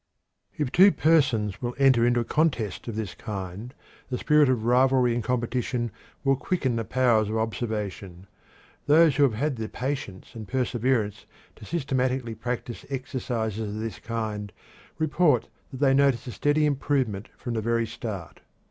If two persons will enter into a contest of this kind, the spirit of rivalry and competition will quicken the powers of observation. Those who have had the patience and perseverance to systematically practice exercises of this kind, report that they notice a steady improvement from the very start.